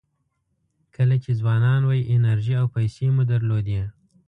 کله چې ځوانان وئ انرژي او پیسې مو درلودې.